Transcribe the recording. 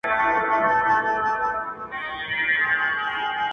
o د ښکلا د دُنیا موري، د شرابو د خُم لوري.